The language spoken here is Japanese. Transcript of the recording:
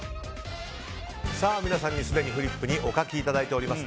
皆さんにすでにフリップにお書きいただいています。